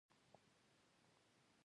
نه د ژونديو خلکو د حکومتونو لپاره.